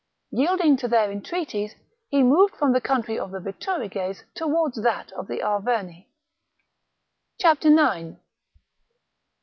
Yielding to their entreaties, he moved from the country of the Bituriges towards that of the Arverni. 9.